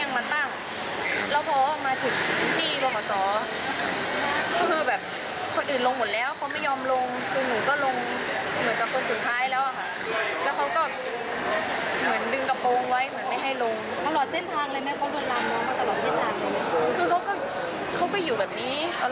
เขาอาจจะไม่เต็มอะไรพี่